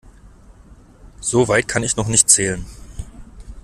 So weit kann ich noch nicht zählen.